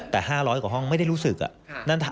แต่๕๐๐กว่าห้องไม่ได้รู้สึก